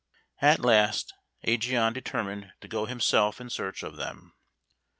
At last Ægeon determined to go himself in search of them.